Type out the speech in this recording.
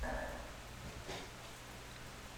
Acḥal n taggayin yellan?